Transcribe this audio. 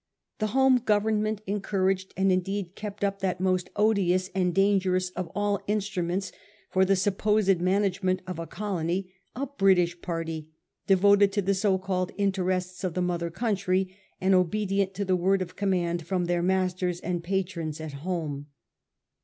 The home Government encouraged and indeed kept up that most odious and dangerous of all instruments for the supposed management of a colony — a ' British party ' devoted to the so called interests of the mother country, and obedient to the word of command from their masters and patrons at home.